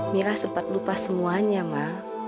mira sempat lupa semuanya ma